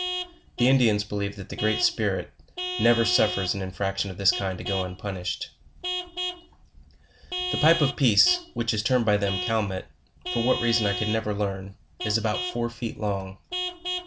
The Indians believe that the Great Spirit never suffers an infraction of this kind to go unpun ished The Pipe of peace, which is termed by them the Calmet, for what reason I could never learn, is about four feet long.